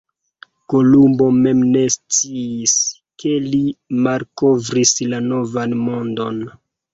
Kolumbo mem ne sciis ke li malkovris la Novan Mondon.